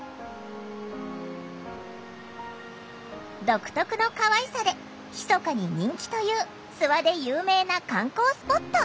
独特のかわいさでひそかに人気という諏訪で有名な観光スポット。